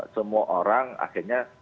semua orang akhirnya